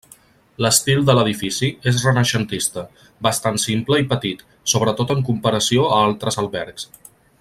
L'estil de l'edifici és renaixentista, bastant simple i petit, sobretot en comparació a altres albergs.